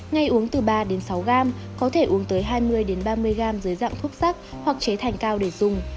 ngay uống từ ba sáu g có thể uống tới hai mươi ba mươi g dưới dạng thuốc sắc hoặc chế thành cao để dùng